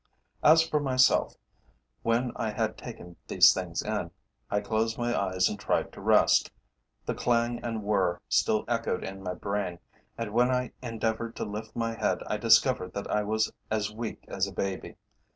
As for myself, when I had taken these things in, I closed my eyes and tried to rest. The clang and whir still echoed in my brain, and when I endeavoured to lift my head I discovered that I was as weak as a baby.